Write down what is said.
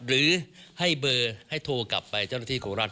หรือให้เบอร์ให้โทรกลับไปเจ้าหน้าที่โคราช